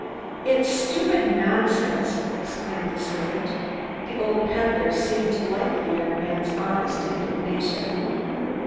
"It's stupid nonsense!" exclaimed the servant. The old peddler seemed to like the young man's honest indignation.